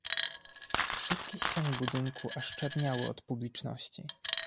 "Wszystkie ściany budynku aż czerniały od publiczności."